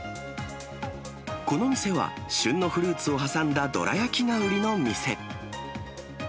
この店は、旬のフルーツを挟んだどら焼きが売りの店。